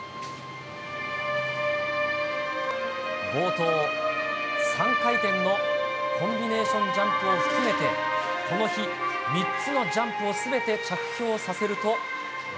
冒頭、３回転のコンビネーションジャンプを含めて、この日、３つのジャンプをすべて着氷させると。